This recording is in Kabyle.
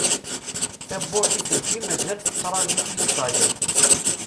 Tawwurt i teldi mazal tettraju-tt-id tayeḍ.